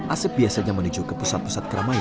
asep biasanya menuju ke pusat pusat keramaian